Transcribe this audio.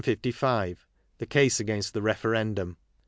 i55 The Case against the Referendum.